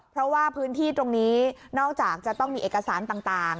เพราะว่าพื้นที่ตรงนี้นอกจากจะต้องมีเอกสารต่าง